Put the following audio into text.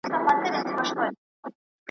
کار چي څوک بې استاد وي بې بنیاد وي